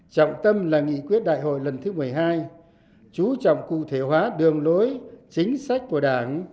trọng tâm là nghị quyết đại hội lần thứ một mươi hai chú trọng cụ thể hóa đường lối chính sách của đảng